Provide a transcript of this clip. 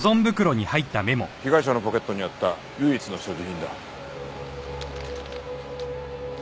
被害者のポケットにあった唯一の所持品だ。